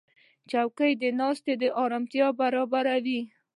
چوکۍ د ناستې آرامتیا برابروي.